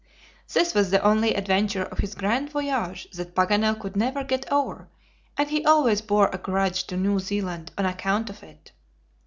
This was the only adventure of his grand voyage that Paganel could never get over, and he always bore a grudge to New Zealand on account of it.